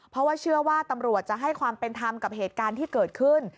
เพราะว่าเชื่อว่าตำรวจจะให้ความเป็นธรรมกับเหตุการณ์ที่เกิดขึ้น